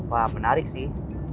wah menarik sih